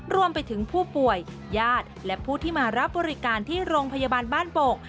รวมไปถึงผู้ป่วยญาติและผู้ที่มารับบริการที่โรงพยาบาลบ้านโป่ง